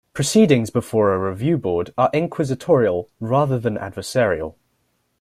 Proceedings before a Review Board are inquisitorial rather than adversarial.